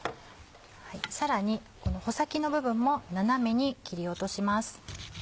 さらにこの穂先の部分も斜めに切り落とします。